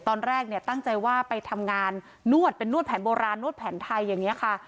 ตอนแรกเนี่ยตั้งใจว่าไปทำงานนวดเป็นนวดแผนโบราณนวดแผนไทยอย่างนี้ค่ะ